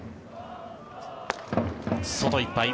外いっぱい。